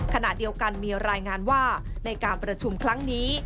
ขณะเดียวกันมีรายงานว่าในการประชุมครั้งนี้